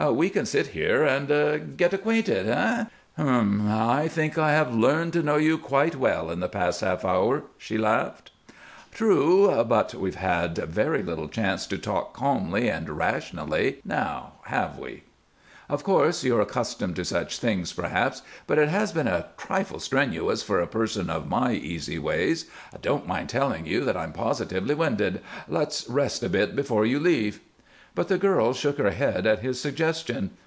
"We can sit here and and get acquainted eh?" "Hm m! I think I have learned to know you quite well in the past half hour," she laughed. "True! But we've had very little chance to talk calmly and rationally; now, have we? Of course you're accustomed to such things, perhaps; but it has been a trifle strenuous for a person of my easy ways. I don't mind telling you that I'm positively winded. Let's rest a bit before you leave." But the girl shook her head at his suggestion.